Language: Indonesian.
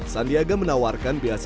sandiaga menawarkan beasiswa